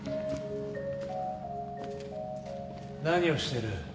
何をしてる？